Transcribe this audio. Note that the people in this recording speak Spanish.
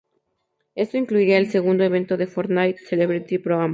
Esto incluirá el segundo evento de "Fortnite Celebrity Pro-Am".